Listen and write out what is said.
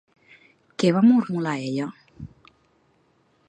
Què va mormolar ella?